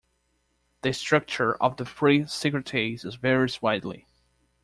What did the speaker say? The structure of the three secretases varies widely.